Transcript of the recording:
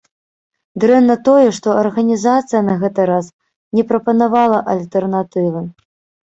Дрэнна тое, што арганізацыя на гэты раз не прапанавала альтэрнатывы.